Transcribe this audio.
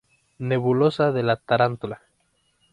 Nebulosa de la Tarántula